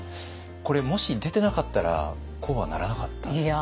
これもし出てなかったらこうはならなかったんですか？